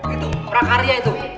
itu prakarya itu